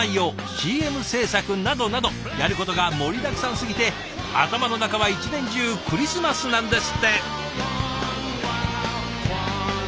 ＣＭ制作などなどやることが盛りだくさんすぎて頭の中は一年中クリスマスなんですって！